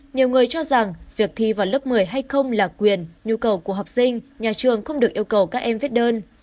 nhiều người cho rằng việc thi vào lớp một mươi hay không là quyền nhu cầu của học sinh nhà trường không được yêu cầu các em viết đơn